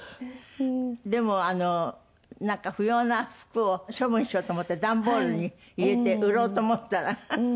でもなんか不要な服を処分しようと思って段ボールに入れて売ろうと思ったら。